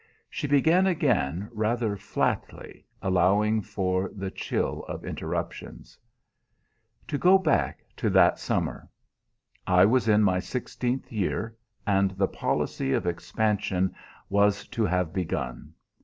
She began again rather flatly, allowing for the chill of interruptions: "To go back to that summer; I was in my sixteenth year, and the policy of expansion was to have begun.